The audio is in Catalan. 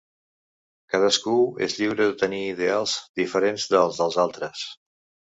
Cadascú és lliure de tenir ideals diferents dels dels altres.